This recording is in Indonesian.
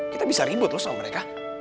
kita bisa ribut loh sama mereka